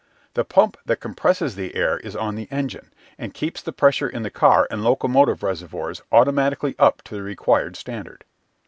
The pump that compresses the air is on the engine, and keeps the pressure in the car and locomotive reservoirs automatically up to the required standard.